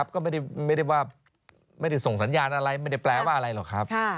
ก็ไม่ได้ว่าไม่ได้ส่งสัญญาณอะไรไม่ได้แปลว่าอะไรหรอกครับ